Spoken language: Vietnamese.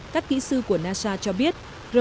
các kỹ sư của nasa cho biết